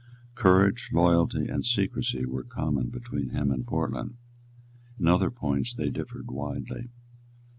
Courage, loyalty and secresy were common between him and Portland. In other points they differed widely.